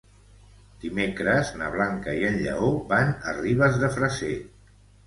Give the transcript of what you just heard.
Dimecres na Blanca i en Lleó van a Ribes de Freser.